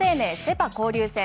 ・パ交流戦。